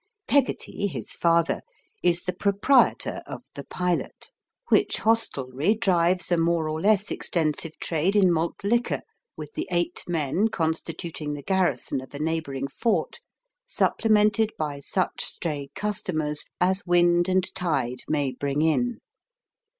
Peggotty, his father, is the proprietor of "The Pilot," which hostelry drives a more or less extensive trade in malt liquor with the eight men constituting the garrison of a neighbouring fort, supplemented by such stray customers as wind and tide may bring in.